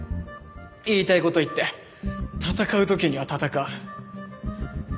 言いたい事言って戦う時には戦う。